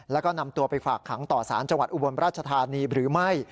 แล้วก็นำตัวไปฝากขังต่อสารจังหวัดอุบลราชธานีหรือไม่